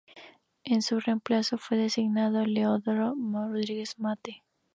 En su reemplazo fue designado Eleodoro Rodríguez Matte.